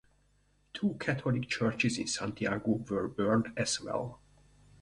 Two Catholic churches in Santiago were burned as well.